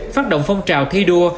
phát động phong trào thi đua